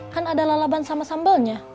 kan ada lalaban sama sambalnya